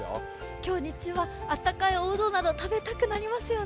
今日日中はあったかいおうどんなど食べたくなりますね。